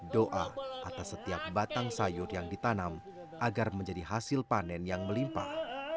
doa atas setiap batang sayur yang ditanam agar menjadi hasil panen yang melimpah